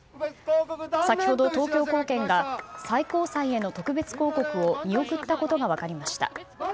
先ほど東京高検が最高裁への特別抗告を見送ったことが分かりました。